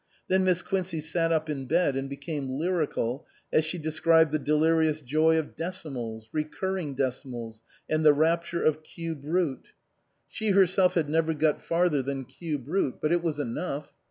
Then Miss Quincey sat up in bed and became lyrical as she described the delirious joy of decimals recur ring decimals and the rapture of cube root. 235 SUPERSEDED She herself had never got farther than cube root ; but it was enough.